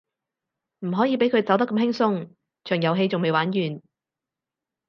唔可以畀佢走得咁輕鬆，場遊戲仲未玩完